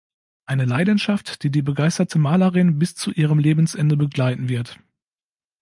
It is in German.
Eine Leidenschaft, die die begeisterte Malerin bis zu ihrem Lebensende begleiten wird.